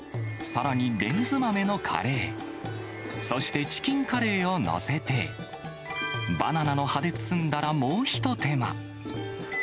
さらに、レンズ豆のカレー、そしてチキンカレーを載せて、バナナの葉で包んだら、もう一手間。